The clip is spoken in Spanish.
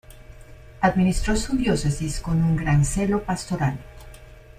Administró su diócesis con un gran celo pastoral.